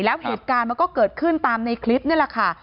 แล้วเหตุการณ์มันก็เกิดขึ้นตามในคลิปนี่แหละค่ะ